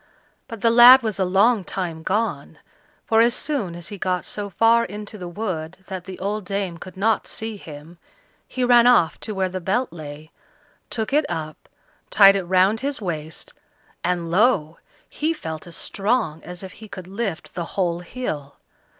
But the lad was a long time gone, for as soon as he got so far into the wood that the old dame could not see him, he ran off to where the Belt lay, took it up, tied it round his waist, and lo! he felt as strong as if he could lift the whole hill.